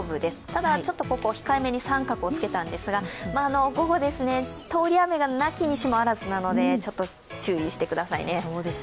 ただ、ちょっと控えめに△をつけたんですが、午後、通り雨が無きにしもあらずなので注意してください。